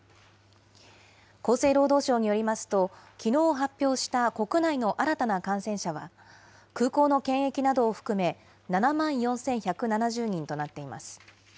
厚生労働省によりますと、きのう発表した国内の新たな感染者は、空港の検疫などを含め、７万４１７０人となっています。